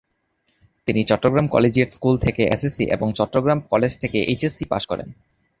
তিনি Chattogram collegiate school থেকে SSC এবং চট্টগ্রাম কলেজ থেকে এইচএসসি পাশ করেন।